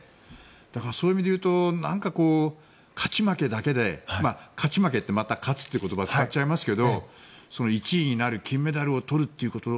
だから、そういう意味でいうと勝ち負けだけで勝ち負けってまた勝つって言葉を使っちゃいますけど１位になる金メダルになるってこと。